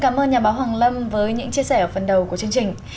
cảm ơn nhà báo hoàng lâm với những chia sẻ ở phần đầu của chương trình